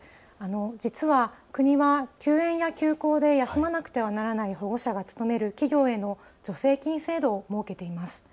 実は国は休園や休校で休まなくてはならない保護者が勤める企業への助成金制度を設けています。